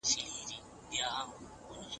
د ښووني پروسه دوامداره ده.